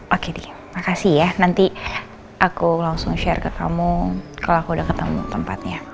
oke deh makasih ya nanti aku langsung share ke kamu kalau aku udah ketemu tempatnya